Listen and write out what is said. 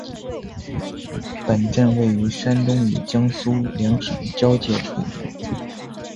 本镇位于山东与江苏两省交界处。